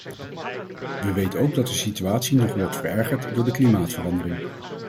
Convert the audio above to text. We weten ook dat de situatie nog wordt verergerd door de klimaatverandering.